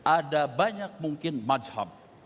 ada banyak mungkin majham